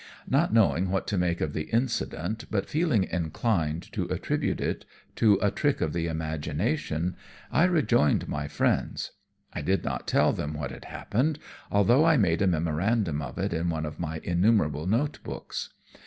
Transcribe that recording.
Not knowing what to make of the incident, but feeling inclined to attribute it to a trick of the imagination, I rejoined my friends. I did not tell them what had happened, although I made a memorandum of it in one of my innumerable notebooks.